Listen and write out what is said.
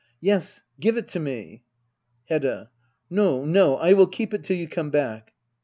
Yes, give it to me ! Hedda. No, no, I will keep it till you come back.